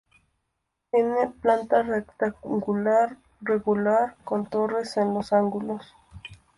Tiene planta rectangular regular con torres en los ángulos.